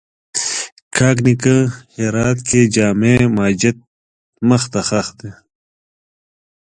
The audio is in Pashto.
کاک نیکه هرات کښې جامع ماجت مخ ته ښخ دی